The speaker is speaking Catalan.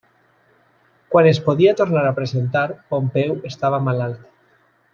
Quan es podia tornar a presentar, Pompeu estava malalt.